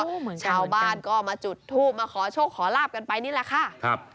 และก็ชาวบ้านก็มาจุดทูปมาขอโชคขอลาบกันไปนี่แหละค่ะ